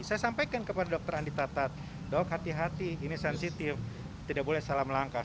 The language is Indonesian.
saya sampaikan kepada dokter andi tatat dok hati hati ini sensitif tidak boleh salah melangkah